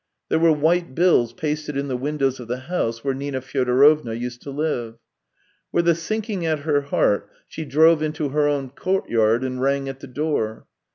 There were white bills pasted in the windows of the house where Nina Fyodorovna used to live With a sinking at her heart she drove into her own courtyard and rang at the door.